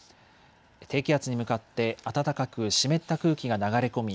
低気圧に向かって暖かく湿った空気が流れ込み